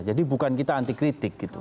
jadi bukan kita anti kritik gitu